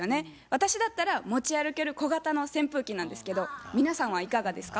私だったら持ち歩ける小型の扇風機なんですけど皆さんはいかがですか？